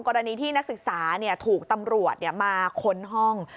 กรณีที่นักศึกษาถูกตำรวจมาค้นห้อง